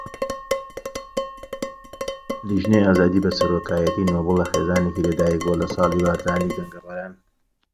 ڕاست بوەستە کاتێک قسەت لەگەڵ دەکەم!